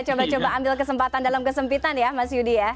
coba coba ambil kesempatan dalam kesempitan ya mas yudi ya